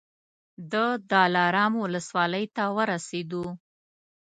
د دلارام ولسوالۍ ته ورسېدو.